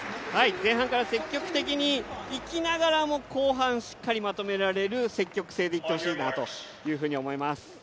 前半から積極的にいきながらも後半しっかりまとめられる積極性でいってほしいなと思います。